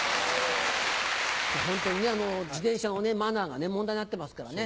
ホントに自転車のマナーが問題になってますからね。